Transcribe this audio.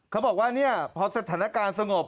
เขาบอกว่าเนี่ยพอสถานการณ์สงบ